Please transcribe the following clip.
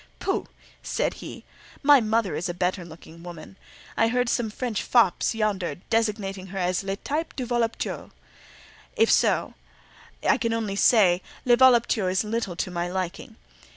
"Pooh!" said he. "My mother is a better looking woman. I heard some French fops, yonder, designating her as 'le type du voluptueux;' if so, I can only say, 'le voluptueux' is little to my liking.